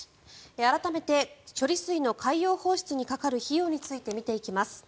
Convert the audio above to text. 改めて処理水の海洋放出にかかる費用についてみていきます。